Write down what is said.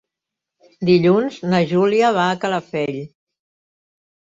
Dilluns na Júlia va a Calafell.